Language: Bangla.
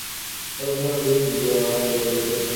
চার বছর মেয়াদি অনার্স বিএ/বিএসএস কোর্স।